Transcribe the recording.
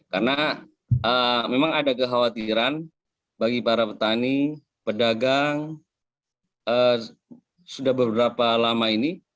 karena memang ada kekhawatiran bagi para petani pedagang sudah beberapa lama ini